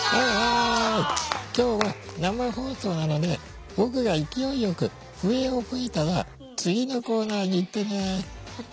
今日は生放送なので僕が勢いよく笛を吹いたら次のコーナーにいってね！